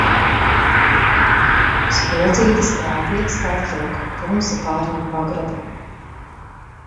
Spuldzītes kvēldiegs pārtrūka, tumsa pārņem pagrabu.